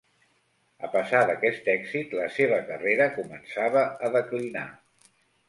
A pesar d'aquest èxit, la seva carrera començava a declinar.